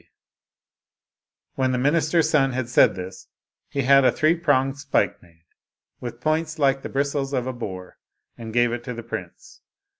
121 Oriental Mystery Stories When the minister's son had said this, he had a three pronged spike made, with points like the bristles of a boar, and gave it to the prince.